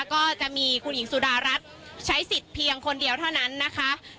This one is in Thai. ก็จะมีคุณหญิงสุดารัฐใช้สิทธิ์เพียงคนเดียวเท่านั้นนะคะ